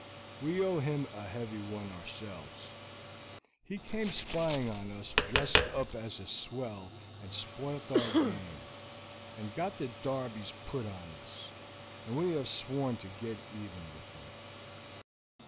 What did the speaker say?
We owe him a heavy one ourselves. He came spying on us dressed up as a swell and spoilt our game, and got the darbies put on us, and we have sworn to get even with him."